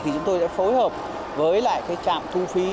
thì chúng tôi sẽ phối hợp với lại cái trạm thu phí